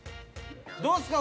どうですか？